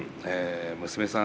娘さん